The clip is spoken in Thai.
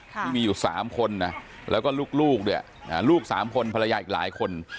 ที่มีอยู่๓คนนะแล้วก็ลูกเนี่ยลูก๓คนภรรยาอีกหลายคน